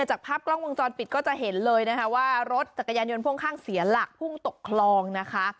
จากภาพกล้องวงจรปิดก็จะเห็นเลยนะคะว่ารถจักรยานยนต์พ่วงข้างเสียหลักพุ่งตกคลองนะคะ